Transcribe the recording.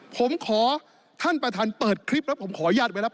ผมขอท่านประธานเปิดคลิปแล้วผมขออนุญาตไว้แล้ว